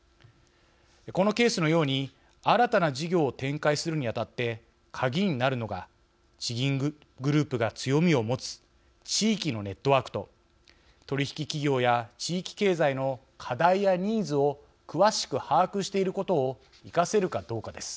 このケースのように新たな事業を展開するにあたって鍵になるのが地銀グループが強みを持つ地域のネットワークと取引企業や地域経済の課題やニーズを詳しく把握していることを生かせるかどうかです。